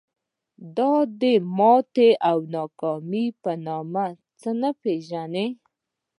دا د ماتې او ناکامۍ په نامه څه نه پېژني.